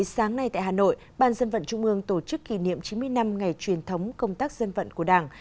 sáng nay tại hà nội ban dân vận trung ương tổ chức kỷ niệm chín mươi năm ngày truyền thống công tác dân vận của đảng